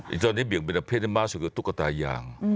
อีกตัวนี้เบียงเบียนเผ็ดมากคือตุ๊กตายาง